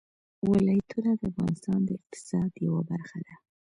ولایتونه د افغانستان د اقتصاد یوه برخه ده.